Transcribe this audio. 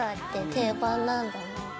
定番なんだな。